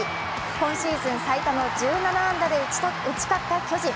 今シーズン最多の１７安打で打ち勝った巨人。